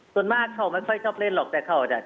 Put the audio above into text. ส่วนมากเขาไม่ค่อยชอบเล่นหรอกแต่เขาจะ